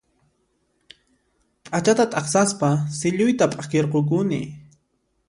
P'achata t'aqsaspa silluyta p'akirqukuni